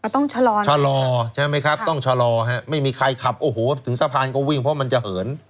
ต้องชะลอชะลอใช่ไหมครับต้องชะลอฮะไม่มีใครขับโอ้โหถึงสะพานก็วิ่งเพราะมันจะเหิน